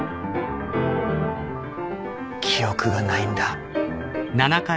記憶がないんだ。